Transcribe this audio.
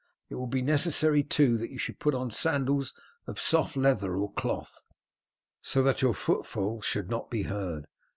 It will be necessary, too, that you should put on sandals of soft leather or cloth, so that your footfall should not be heard.